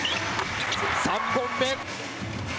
３本目。